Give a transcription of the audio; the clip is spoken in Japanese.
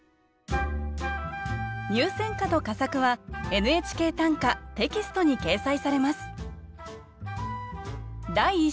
入選歌と佳作は「ＮＨＫ短歌」テキストに掲載されます。